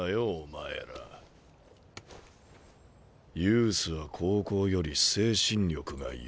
「ユースは高校より精神力が弱い」。